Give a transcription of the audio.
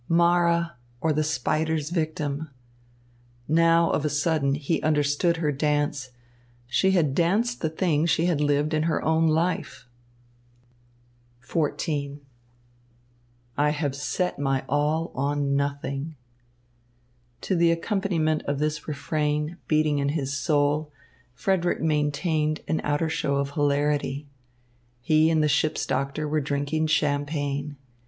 "Mara, or the Spider's Victim." Now, of a sudden, he understood her dance! She had danced the thing she had lived in her own life! XIV "I have set my all on nothing." To the accompaniment of this refrain beating in his soul Frederick maintained an outer show of hilarity. He and the ship's doctor were drinking champagne.